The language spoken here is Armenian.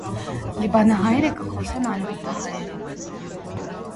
Լիբանանահայերը կը խօսին արեւմտահայերէն։